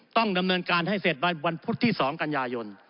ต้องดำเนินการให้เสร็จวันพุธที่๒กันยายน